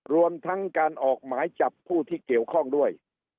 รวมทั้งการออกหมายจับผู้ที่เกี่ยวข้องด้วย